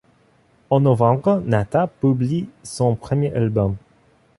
En novembre, Natas publie son premier album, '.